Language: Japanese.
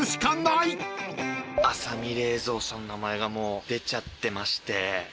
阿左美冷蔵さんの名前がもう出ちゃってまして。